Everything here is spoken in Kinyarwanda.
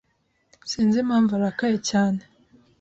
Sinzi impamvu arakaye cyane.